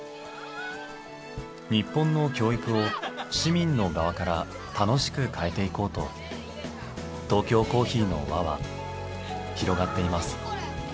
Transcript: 日本の教育を市民の側から楽しく変えていこうとトーキョーコーヒーの輪は広がっています。